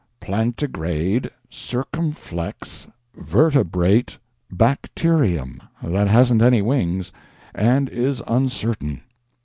"Plantigrade circumflex vertebrate bacterium that hasn't any wings and is uncertain."